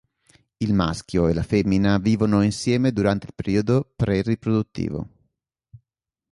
Il maschio e la femmina vivono insieme durante il periodo pre-riproduttivo.